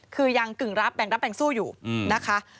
คือยังกึ่งรับแบ่งรับแบ่งสู้อยู่นะคะ